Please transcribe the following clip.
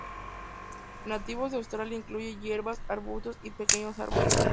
Nativos de Australia, incluye hierbas, arbustos y pequeños árboles.